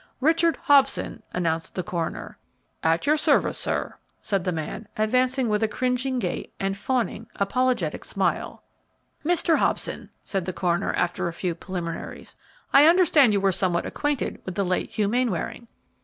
"Richard Hobson," announced the coroner. "At your service, sir," said the man, advancing with a cringing gait and fawning, apologetic smile. "Mr. Hobson," said the coroner, after a few preliminaries, "I understand you were somewhat acquainted with the late Hugh Mainwaring."